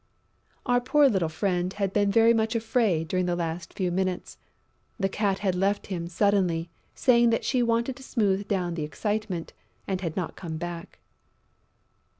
Our poor little friend had been very much afraid during the last few minutes. The Cat had left him suddenly, saying that she wanted to smooth down the excitement, and had not come back.